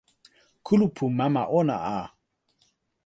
kulupu mama ona a.